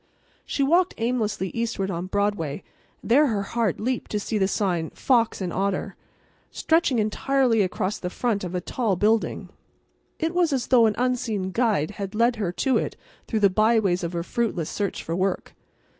She walked aimlessly eastward on Broadway, and there her heart leaped to see the sign, "Fox & Otter," stretching entirely across the front of a tall building. It was as though an unseen guide had led her to it through the by ways of her fruitless search for work.